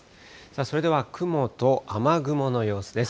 それでは雲と雨雲の様子です。